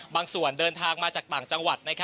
ส่วนเดินทางมาจากต่างจังหวัด